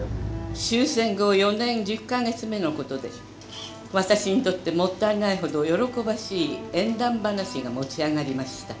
「終戦後四年十ヶ月目のことで私にとって勿体ないほど喜ばしい縁談話が持ち上がりました」。